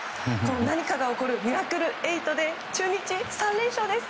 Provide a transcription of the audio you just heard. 何かが起こるミラクルエイトで中日３連勝です！